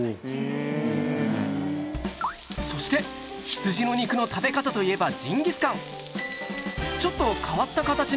そして羊の肉の食べ方といえばジンギスカン。